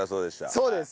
そうです。